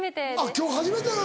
今日初めてなの。